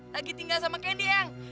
lagi tinggal sama kendi eng